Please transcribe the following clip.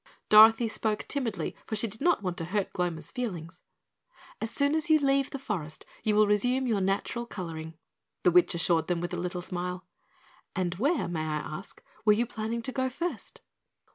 Dorothy spoke timidly, for she did not want to hurt Gloma's feelings. "As soon as you leave the forest you will resume your natural coloring," the witch assured them with a little smile. "And where, may I ask, were you planning to go first?"